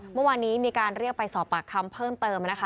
เมื่อวานนี้มีการเรียกไปสอบปากคำเพิ่มเติมนะคะ